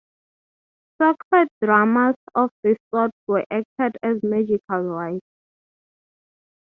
Sacred dramas of this sort were acted as magical rites.